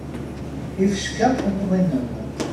Ifecka umḍinen.